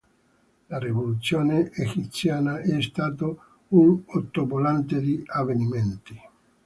La rivoluzione egiziana è stato un ottovolante di avvenimenti.